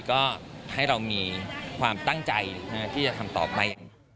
ก็ให้เรามีความตั้งใจที่จะทำต่อไป